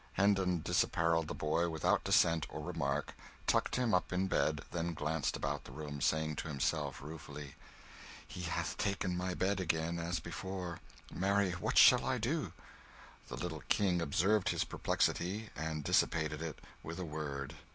Hendon disapparelled the boy without dissent or remark, tucked him up in bed, then glanced about the room, saying to himself, ruefully, "He hath taken my bed again, as before marry, what shall I do?" The little King observed his perplexity, and dissipated it with a word.